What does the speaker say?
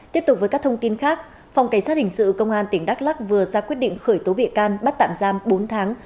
tiếp tục với các thông tin khác phòng cảnh sát hình sự công an tỉnh đắk lắc vừa ra quyết định khởi tố bị can bắt tạm giam bốn tháng